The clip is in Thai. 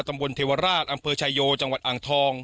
ตำบลเทวราชอำเภอชายโยจังหวัดอ่างทอง